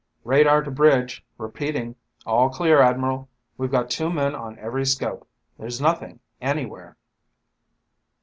"Radar to bridge, repeating. All clear. Admiral, we've got two men on every scope, there's nothing anywhere."